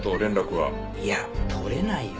いや取れないよ。